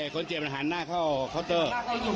คนเจ็บหน้าเข้าคอล์เตอร์